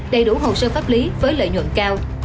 đầy đủ hồ sơ pháp lý với lợi nhuận cao